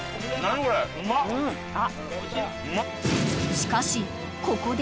［しかしここで］